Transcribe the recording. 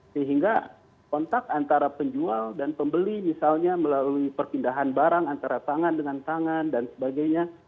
sehingga kontak antara penjual dan pembeli misalnya melalui perpindahan barang antara tangan dengan tangan dan sebagainya